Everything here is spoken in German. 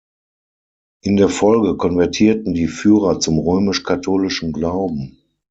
In der Folge konvertierten die Führer zum römisch-katholischen Glauben.